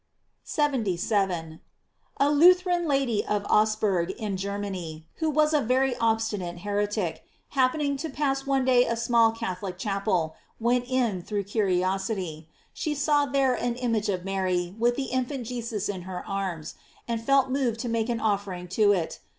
* 77. — A Lutheran lady of Augsburg in Germany, who was a very obstinate heretic, happening to pass one day a small Catholic chapel, went in through curiosity. She saw there an image of Mary with the infant Jesus in her arms, and felt moved to make an offering to it.